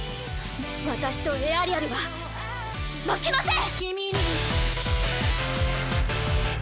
私とエアリアルは負けません！